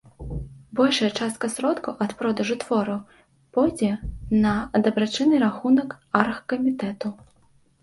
Большая частка сродкаў ад продажу твораў пойдзе на дабрачынны рахунак аргкамітэту.